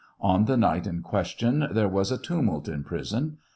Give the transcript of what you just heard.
On the night in question there was a tumult in prison.